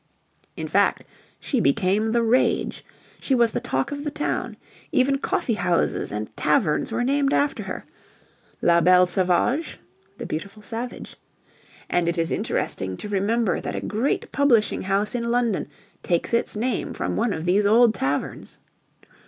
In fact she became the rage. She was the talk of the town. Even coffee houses and taverns were named after her, La Belle Sauvage (the beautiful savage). And it is interesting to remember that a great publishing house in London takes its name from one of these old taverns.